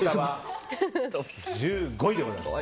１５位でございます。